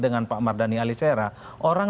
dengan pak mardhani alisera orang